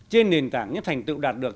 trên nền tảng những thành tựu đạt được